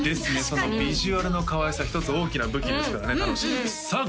そのビジュアルのかわいさ一つ大きな武器ですからね楽しみですさあ